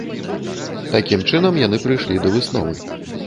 Такім чынам, яны прыйшлі да высновы.